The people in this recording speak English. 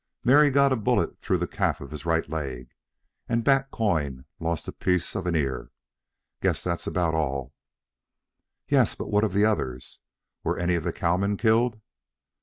Mary got a bullet through the calf of his right leg, and Bat Coyne lost a piece of an ear. Guess that's about all." "Yes; but what of the others? Were any of the cowmen killed?"